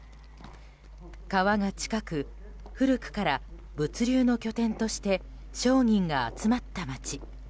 川が近く、古くから物流の拠点として商人が集まった街。